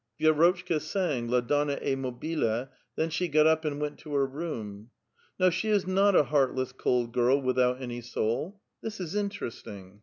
Vierotchka sang " La donna ^ mobile "; then she got up and went to her room. " No, she is not a heartless, cold girl without any soul; this is interesting."